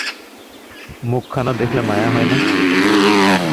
মুখখানা দেখলে মায়া হয় না?